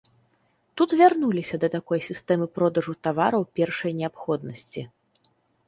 Тут вярнуліся да такой сістэмы продажу тавараў першай неабходнасці.